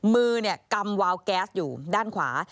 มือกำวาวแก๊สอยู่ด้านขวา